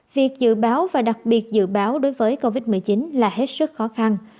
việc dự báo và đặc biệt dự báo đối với covid một mươi chín là hết sức khó khăn